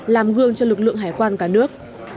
làm gương cho lực lượng hải quan cả nước